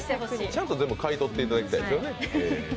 ちゃんと全部買い取っていただきたいですよね。